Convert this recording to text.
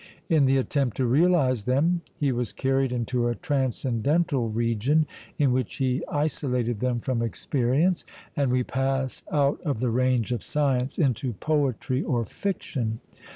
In the attempt to realize them, he was carried into a transcendental region in which he isolated them from experience, and we pass out of the range of science into poetry or fiction.